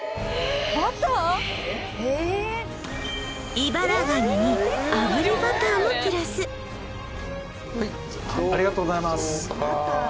イバラガニに炙りバターもプラスありがとうございます